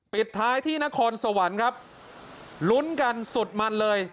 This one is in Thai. ปิดท้ายที่นครสวรรค์ครับลุ้นกันสุดมันเลย